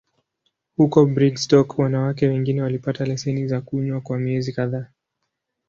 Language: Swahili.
Huko Brigstock, wanawake wengine walipata leseni za kunywa kwa miezi kadhaa.